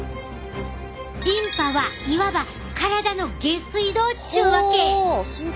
リンパはいわば体の下水道っちゅうわけ！